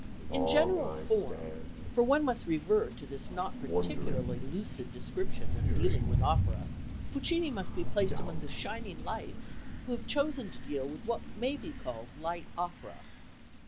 In general form for one must revert to this not particularly lucid description when dealing with opera Puccini must be placed among the shining lights who have chosen to deal with what may be called light opera.